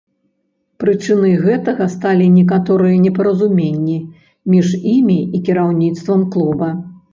Прычынай гэтага сталі некаторыя непаразуменні між імі і кіраўніцтвам клуба.